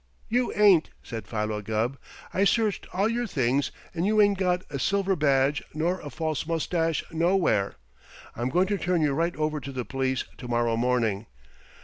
"You ain't!" said Philo Gubb. "I searched all your things and you ain't got a silver badge nor a false mustache nowhere. I'm going to turn you right over to the police to morrow morning."